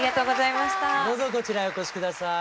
どうぞこちらへお越し下さい。